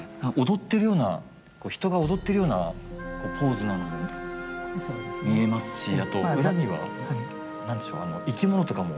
踊ってるような人が踊ってるようなポーズなのも見えますしあと裏には何でしょう生き物とかも。